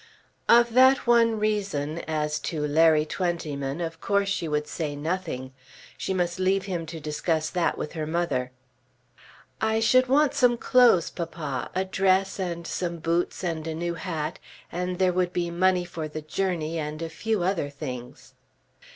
Of that one reason, as to Larry Twentyman, of course she would say nothing. She must leave him to discuss that with her mother. "I should want some clothes, papa; a dress, and some boots, and a new hat, and there would be money for the journey and a few other things."